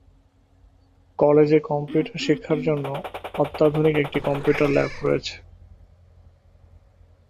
কলেজে কম্পিউটার শিক্ষার জন্য অত্যাধুনিক একটি কম্পিউটার ল্যাব রয়েছে।